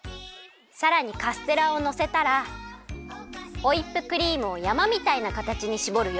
さらにカステラをのせたらホイップクリームをやまみたいなかたちにしぼるよ。